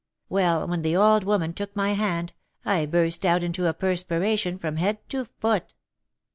Well, when the old woman took my hand, I burst out into a perspiration from head to foot.